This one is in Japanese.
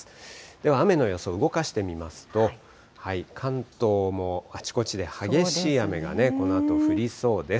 では雨の予想を動かしてみますと、関東もあちこちで激しい雨がこのあと降りそうです。